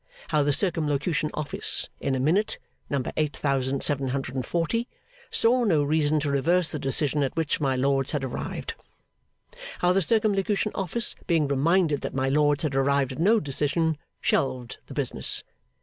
How the Circumlocution Office, in a Minute, number eight thousand seven hundred and forty, 'saw no reason to reverse the decision at which my lords had arrived.' How the Circumlocution Office, being reminded that my lords had arrived at no decision, shelved the business.